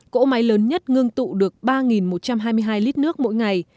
cỗ máy lớn nhất ngưng tụ được ba một trăm hai mươi hai lít nước mỗi ngày